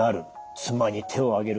妻に手を上げる。